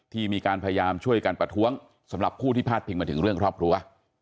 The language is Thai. ที่มีการพยายามช่วยกันประท้วงสำหรับผู้ที่พาดพิงมาถึงเรื่องครอบครัว